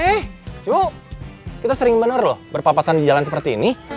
eh coba kita sering bener loh berpapasan di jalan seperti ini